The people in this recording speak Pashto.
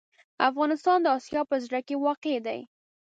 افغانستان د اسیا په زړه کې واقع دی.